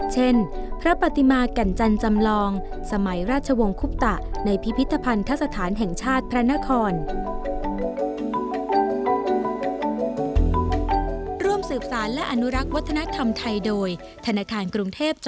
เช่นพระปฏิมาแก่นจันทร์จำลองสมัยราชวงศ์คุปตะในพิพิธภัณฑสถานแห่งชาติพระนคร